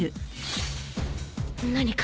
何か。